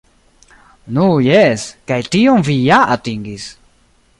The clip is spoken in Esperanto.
Nu jes, kaj tion vi ja atingis.